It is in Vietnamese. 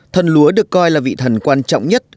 thần lúa được coi là vị thần quan trọng nhất